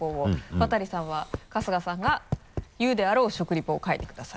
渡さんは春日さんが言うであろう食リポを書いてください。